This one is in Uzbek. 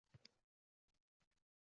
O‘g‘illar harakat qilmadima